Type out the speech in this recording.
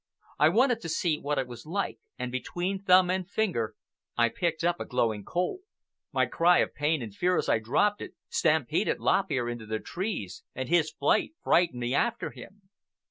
I wanted to see what it was like, and between thumb and finger I picked up a glowing coal. My cry of pain and fear, as I dropped it, stampeded Lop Ear into the trees, and his flight frightened me after him.